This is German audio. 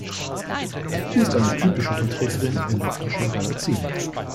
Sie ist eine typische Vertreterin elliptischer Galaxien.